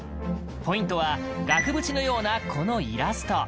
ポイントは額縁のようなこのイラスト。